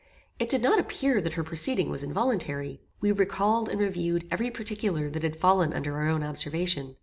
It did not appear that her proceeding was involuntary. We recalled and reviewed every particular that had fallen under our own observation.